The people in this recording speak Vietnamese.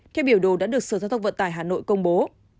theo biểu đồ đã được sở giao thông vận tải hà nội công bố